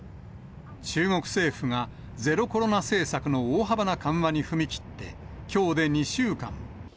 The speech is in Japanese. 中国政府が、ゼロコロナ政策の大幅な緩和に踏み切ってきょうで２週間。